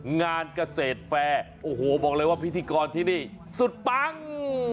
งานเกษตรแฟร์โอ้โหบอกเลยว่าพิธีกรที่นี่สุดปัง